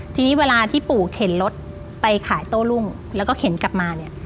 ทีนี้เวลาที่ปู่เข็นรถไปขายโต้รุ่งแล้วก็เข็นกลับมาเนี่ย